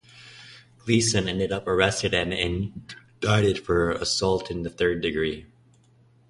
Gleason ended up arrested and indicted for assault in the third degree.